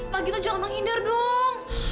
pak gito jangan menghindar dong